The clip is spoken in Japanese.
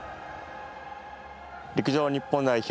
陸上日本代表